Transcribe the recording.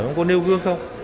ông có nêu gương không